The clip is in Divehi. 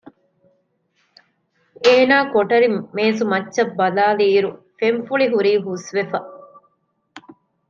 އޭނާ ކޮޓަރި މޭޒުމައްޗަށް ބަލާލިއިރު ފެންފުޅި ހުރީ ހުސްވެފަ